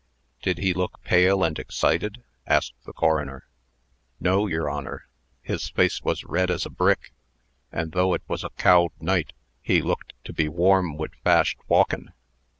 "Did he look pale and excited?" asked the coroner. "No, yer Honor; his face was red as a brick, an', though it was a cowld night, he looked to be warm wid fasht walkin'."